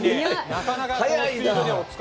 なかなか早い。